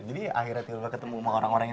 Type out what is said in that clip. jadi akhirnya tiba tiba ketemu sama orang orangnya